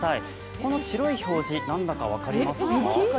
この白い表示、何だか分かりますか？